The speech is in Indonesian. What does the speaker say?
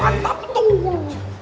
mantap mantap betul